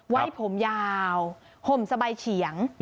ไว้ผมยาวห่มสบายเฉียง